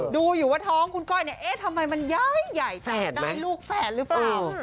ดูอยู่ว่าท้องคุณก้อยเนี่ยเอ๊ะทำไมมันใหญ่จับได้ลูกแฝดหรือเปล่า